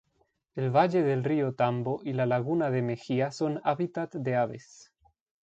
El valle del río Tambo y la laguna de Mejía son hábitat de aves.